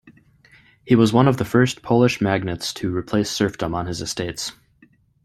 He was one of the first Polish magnates to replace serfdom on his estates.